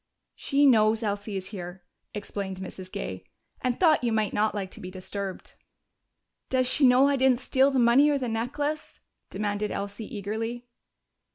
"She knows Elsie is here," explained Mrs. Gay, "and thought you might not like to be disturbed." "Does she know I didn't steal the money or the necklace?" demanded Elsie eagerly.